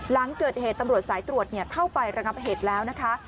หลังเกิดเหตุตำรวจสายตรวจเข้าไประงับเหตุแล้วนะคะ